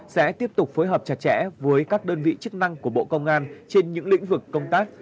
sẽ tiếp tục phối hợp chặt chẽ với các đơn vị chức năng của bộ công an trên những lĩnh vực công tác